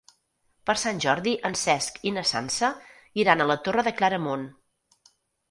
Per Sant Jordi en Cesc i na Sança iran a la Torre de Claramunt.